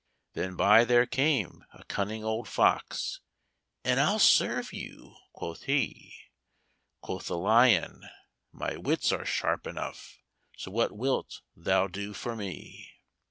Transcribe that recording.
Then by there came a cunning old fox, 'And I'll serve you,' quoth he; Quoth the Lyon, 'My wits are sharp enough So what wilt thou do for me?'